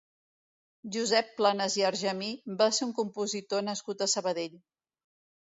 Josep Planas i Argemí va ser un compositor nascut a Sabadell.